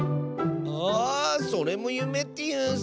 あそれもゆめっていうんスね！